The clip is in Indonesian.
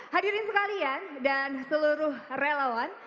hadirin sekalian dan seluruh relawan